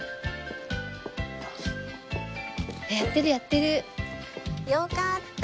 やってるやってる。よかった！